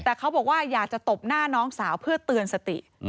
แต่เขาบอกว่าอยากจะตบหน้าน้องสาวเพื่อเตือนสติ